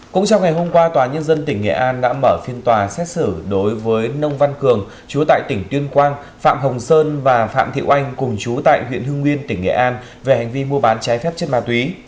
cũng trong ngày hôm qua tòa nhân dân tỉnh nghệ an đã mở phiên tòa xét xử đối với nông văn cường chú tại tỉnh tuyên quang phạm hồng sơn và phạm thị oanh cùng chú tại huyện hương nguyên tỉnh nghệ an về hành vi mua bán trái phép chất ma túy